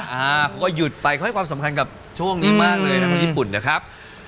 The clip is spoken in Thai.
เขาก็หยุดไปเขาให้ความสำคัญกับช่วงนี้มากเลยนะคนญี่ปุ่นนะครับ